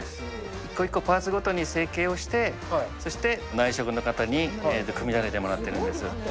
一個一個、パーツごとに成形をして、そして内職の方に組み立ててもらってるんです。